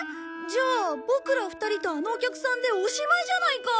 じゃあボクら２人とあのお客さんでおしまいじゃないか！